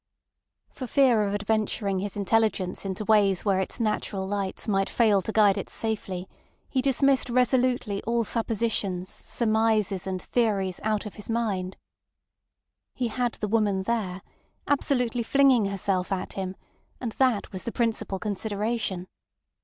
For fear of adventuring his intelligence into ways where its natural lights might fail to guide it safely he dismissed resolutely all suppositions, surmises, and theories out of his mind. He had the woman there, absolutely flinging herself at him, and that was the principal consideration.